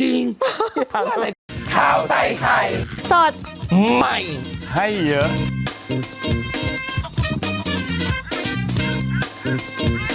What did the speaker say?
จริงเพื่อนอะไร